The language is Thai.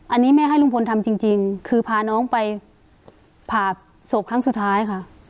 อันนี้แม่ให้ลุงพลทำจริงคือพาน้องไปผ่าศพครั้งสุดท้ายค่ะ